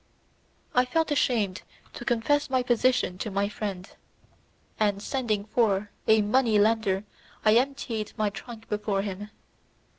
I felt ashamed to confess my position to my friend, and sending for, a money lender I emptied my trunk before him.